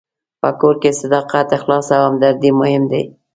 په کور کې صداقت، اخلاص او همدردي مهم دي.